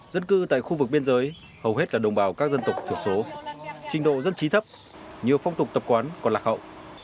dân cư tại khu vực biên giới hầu hết là đồng bào các dân tộc thiểu số trình độ dân trí thấp nhiều phong tục tập quán còn lạc hậu